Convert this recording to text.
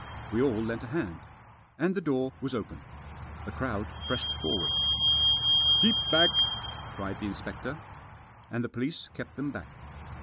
We all lent a hand. And the door was open. The crowd pressed forward. " Keep back f " cried the inspector. And the police kept them back.